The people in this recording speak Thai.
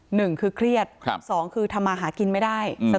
หนึ่งคือเครียดครับสองคือทำมาหากินไม่ได้